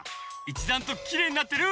いちだんときれいになってる！